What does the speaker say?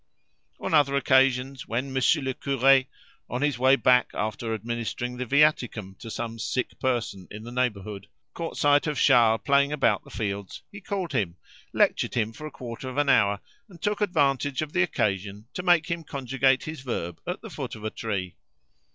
On other occasions, when Monsieur le Curé, on his way back after administering the viaticum to some sick person in the neighbourhood, caught sight of Charles playing about the fields, he called him, lectured him for a quarter of an hour and took advantage of the occasion to make him conjugate his verb at the foot of a tree.